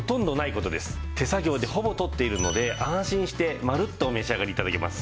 手作業でほぼ取っているので安心してまるっとお召し上がり頂けます。